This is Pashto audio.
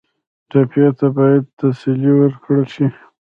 ټپي ته باید تسلي ورکړل شي.